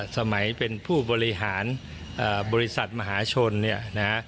สมัยเป็นผู้บริหารบริษัทมหาชน